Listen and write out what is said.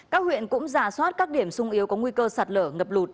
các huyện cũng giả soát các điểm sung yếu có nguy cơ sạt lở ngập lụt